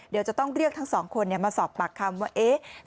เดี๋ยวจะต้องเรียกทั้งสองคนมาสอบปากคำว่าเอ๊ะ